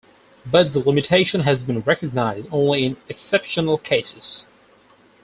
But the limitation has been recognized only in exceptional cases.